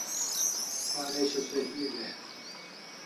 Waresho se ew e?